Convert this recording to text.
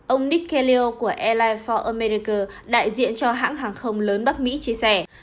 ông nick kelly của airlines for america đại diện cho hãng hàng không lớn bắc mỹ chia sẻ